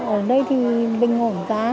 ở đây thì bình ổn giá